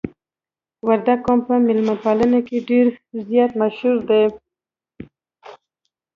وردګ قوم په میلمه پالنه کې ډیر زیات مشهور دي.